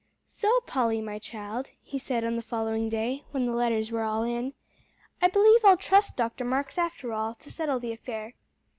"So, Polly, my child," he said on the following day, when the letters were all in, "I believe I'll trust Dr. Marks, after all, to settle the affair.